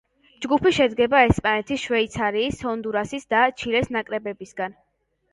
ჯგუფი შედგება ესპანეთის, შვეიცარიის, ჰონდურასის და ჩილეს ნაკრებებისგან.